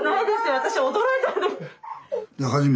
私驚いた。